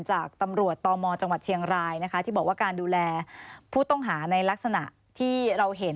จากตำรวจตมจังหวัดเชียงรายนะคะที่บอกว่าการดูแลผู้ต้องหาในลักษณะที่เราเห็น